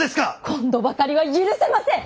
今度ばかりは許せません！